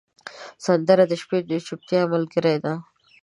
سندره د شپې د چوپتیا ملګرې ده